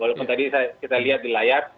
walaupun tadi kita lihat di layar